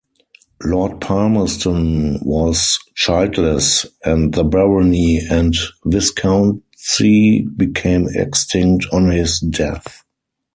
Lord Palmerston was childless and the barony and viscountcy became extinct on his death.